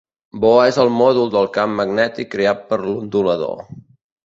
Bo és el mòdul del camp magnètic creat per l'ondulador.